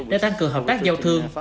để tăng cường hợp tác giao thương